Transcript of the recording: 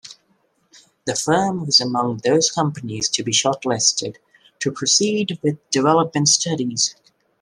The firm was among those companies to be short-listed to proceed with development studies.